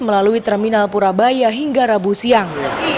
melalui terminal purabaya hingga rabu siang